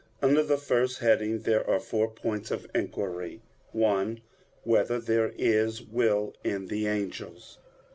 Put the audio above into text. Under the first heading there are four points of inquiry: (1) Whether there is will in the angels?